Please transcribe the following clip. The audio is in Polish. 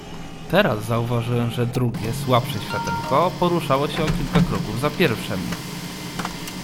"Teraz zauważyłem, że drugie, słabsze światełko poruszało się o kilka kroków za pierwszem."